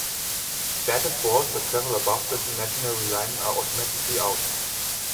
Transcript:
Batted balls that travel above this imaginary line are automatically out.